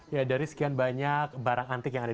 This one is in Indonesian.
ya dari sekian banyak barang antik yang ada